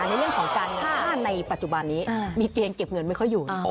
ในเรื่องของการเงินค่าในปัจจุบันนี้มีเกณฑ์เก็บเงินไม่ค่อยอยู่